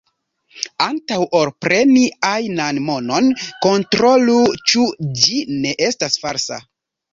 Antaŭ ol preni ajnan monon, kontrolu, ĉu ĝi ne estas falsa.